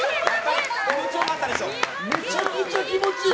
気持ちいい！